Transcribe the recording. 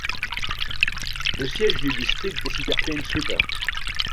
Le siège du district est situé à Prince Rupert.